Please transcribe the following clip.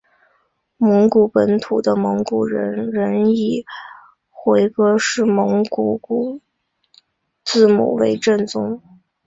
蒙古本土的蒙古人仍以回鹘式蒙古字母为正宗。